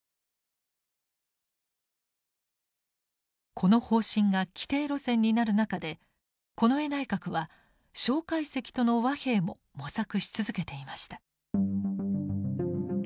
この方針が既定路線になる中で近衛内閣は介石との和平も模索し続けていました。